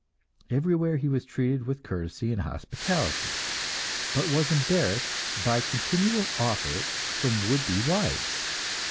Everywhere he was treated with courtesy and hospitality, but was embarrassed by continual offers from would be wives.